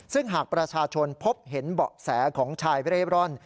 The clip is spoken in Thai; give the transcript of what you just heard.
ซึ่งหากประชาชนพบเห็นเบาะแสของชายเร่ร่อน